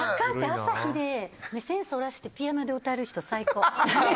朝日で目線そらしてピアノで歌える人最高！